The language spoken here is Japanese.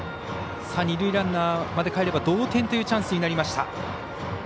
二塁ランナーまでかえれば同点というチャンスになりました。